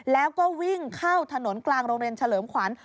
แล้วก็วิ่งเข้าถนนกลางโรงเรียนเฉลิมขวัญ